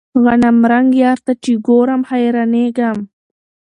غنمرنګ يار ته چې ګورم حيرانېږم.